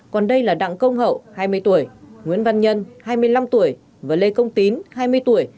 còn đây là đặng công hậu hai mươi tuổi nguyễn văn nhân hai mươi năm tuổi và lê công tín hai mươi tuổi